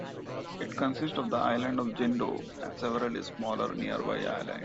It consists of the island of Jindo and several smaller nearby islands.